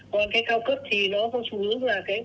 còn cái cao cấp thì nó có xu hướng là